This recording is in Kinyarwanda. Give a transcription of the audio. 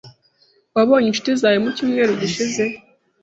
Wabonye inshuti zawe mucyumweru gishize?